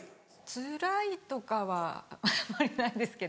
つらいとかはあんまりないんですけど。